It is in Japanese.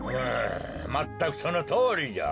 まったくそのとおりじゃ。